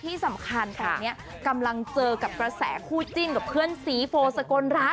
ที่สำคัญตอนนี้กำลังเจอกับกระแสคู่จิ้นกับเพื่อนสีโฟสกลรัฐ